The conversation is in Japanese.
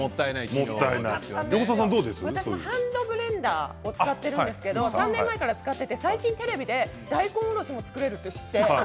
私もハンドブレンダーを使ってるんですけれども３年前から使っていて、最近テレビで大根おろしを作れるって。